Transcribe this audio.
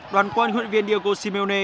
đoàn quân huyện viên diego simeone